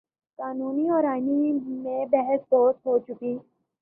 قانونی اور آئینی مباحث بہت ہو چکے۔